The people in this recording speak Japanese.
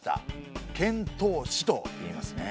遣唐使といいますね。